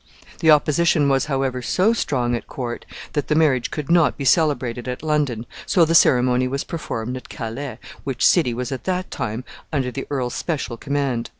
The opposition was, however, so strong at court that the marriage could not be celebrated at London; so the ceremony was performed at Calais, which city was at that time under the earl's special command.